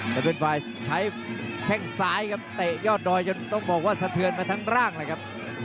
แต่เป็นฝ่ายใช้แข้งซ้ายครับเตะยอดดอยจนต้องบอกว่าสะเทือนมาทั้งร่างเลยครับ